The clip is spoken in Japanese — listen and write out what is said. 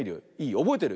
おぼえてる？